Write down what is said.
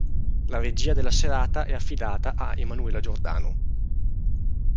La regia della serata è affidata a Emanuela Giordano.